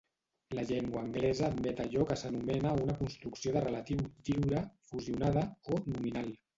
La llengua anglesa admet allò que s'anomena una construcció de relatiu "lliure", "fusionada" o "nominal".